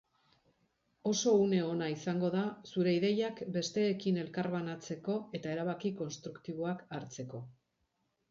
Oso une ona izango da zure ideiak besteekin elkarbanatzeko eta erabaki konstruktiboak hartzeko.